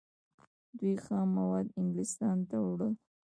دوی خام مواد انګلستان ته وړل.